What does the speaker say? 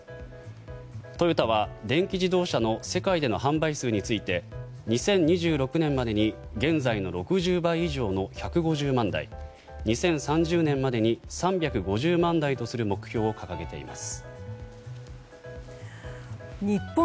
トヨタは電気自動車の世界での販売数について２０２６年までに現在の６０倍以上の１５０万台２０３０年までに３５０万台とする目標を掲げています。